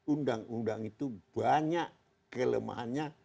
undang undang itu banyak kelemahannya